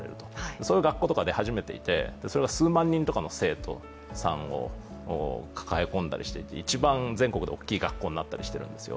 そういう学校が出始めていて、それが数万人とかの生徒さんを抱え込んだりしていて一番全国で大きい学校になったりしているんですよ。